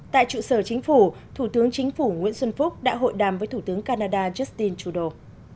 tại trụ sở chính phủ thủ tướng chính phủ nguyễn xuân phúc đã hội đàm với thủ tướng canada justin trudeau